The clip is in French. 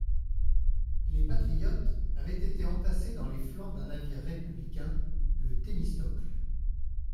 Les patriotes avaient été entassés dans les flancs d'un navire républicain, le Thémistocle.